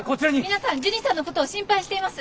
皆さんジュニさんのことを心配しています。